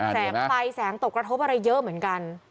แสงไฟแสงตกกระทบอะไรเยอะเหมือนกัน